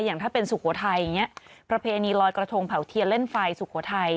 อย่างถ้าเป็นสุโขทัยอย่างนี้ประเพณีลอยกระทงเผาเทียนเล่นไฟสุโขทัย